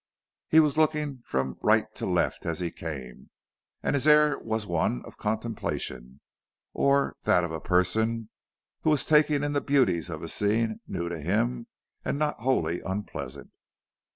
He was looking from right to left as he came, and his air was one of contemplation or that of a person who was taking in the beauties of a scene new to him and not wholly unpleasant.